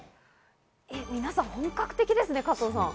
皆さん本格的ですね、加藤さん。